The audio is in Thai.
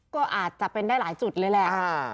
ก็อาจจะเป็นได้หลายจุดเลยแหละ